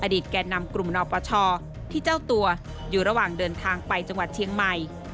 แก่นำกลุ่มนปชที่เจ้าตัวอยู่ระหว่างเดินทางไปจังหวัดเชียงใหม่